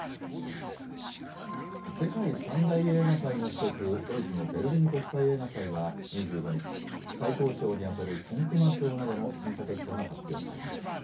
世界３大映画祭の１つ、ドイツのベルリン国際映画祭は２５日、最高賞に当たる金熊賞などの審査結果が発表されます。